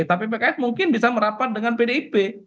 tapi mungkin pks bisa merapat dengan pdip